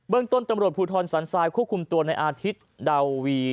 ต้นตำรวจภูทรสันทรายควบคุมตัวในอาทิตย์ดาวี